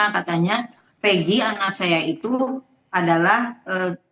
katanya peggy anak saya itu adalah otak dari pembulu